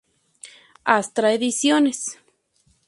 Astra ediciones.